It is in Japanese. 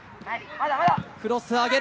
クロスを上げる。